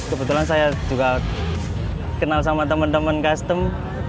kebetulan saya juga kenal sama teman teman custom